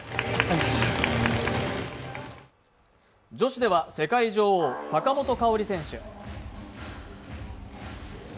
女子では世界女王・坂本花織選手。